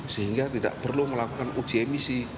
sehingga tidak perlu melakukan uji emisi